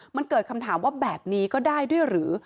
มันเกิดคำถามว่าแบบนี้ก็ได้ด้วยหรือ